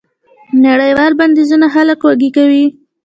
نړیوال بندیزونه خلک وږي کوي.